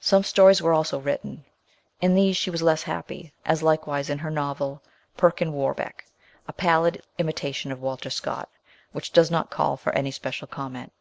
Some stories were also written. In these she was less happy, as likewise in her novel, Perkin Warbeck, a pallid imitation of Walter Scott, which does not call for any special comment.